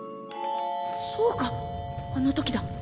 そうかあの時だ！